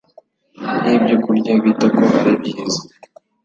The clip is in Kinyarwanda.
yibyokurya bita ko ari byiza